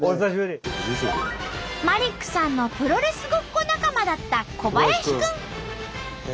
マリックさんのプロレスごっこ仲間だったコバヤシくん。